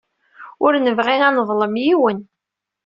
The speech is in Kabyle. Ur nebɣi ad neḍlem yiwen.